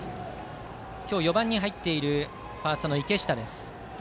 今日、４番に入っているファーストの池下。